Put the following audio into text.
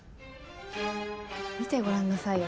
見てごらんなさいよ